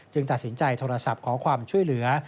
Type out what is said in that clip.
ตัดสินใจโทรศัพท์ขอความช่วยเหลือ